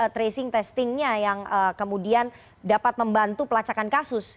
tracing testingnya yang kemudian dapat membantu pelacakan kasus